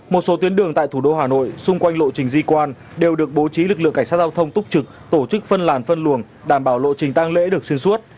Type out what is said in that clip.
một số tuyến đường tại thủ đô hà nội xung quanh lộ trình di quan đều được bố trí lực lượng cảnh sát giao thông túc trực tổ chức phân làn phân luồng đảm bảo lộ trình tăng lễ được xuyên suốt